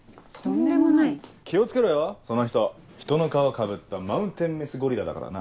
気を付けろよその人人の皮かぶったマウンテンメスゴリラだからな。